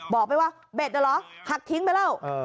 บอกไปว่าเบสหักทิ้งไปแล้ว